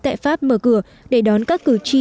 tại pháp mở cửa để đón các cử tri